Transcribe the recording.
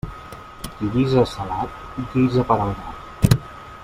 Qui guisa salat guisa per al gat.